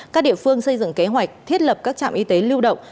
các địa phương xây dựng kế hoạch thiết lập các trạm y tế lưu động